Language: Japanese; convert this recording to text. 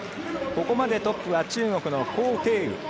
ここまでトップは中国の高亭宇。